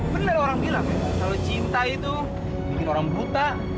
benar orang bilang kalau cinta itu bikin orang buta